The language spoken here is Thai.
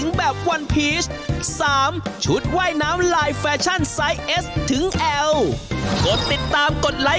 ขอบคุณคุณเจมส์และคุณนุ้ยด้วยค่ะสวัสดีค่ะ